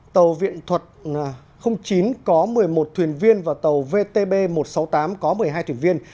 tàu viện thuật chín có một mươi một thuyền viên và tàu vtb một trăm sáu mươi tám có một mươi hai thuyền viên